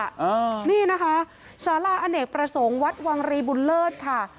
อ่านี่นะคะสาราอเนกประสงค์วัดวังรีบุญเลิศค่ะ